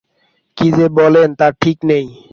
কী যে বলেন তার ঠিক নেই।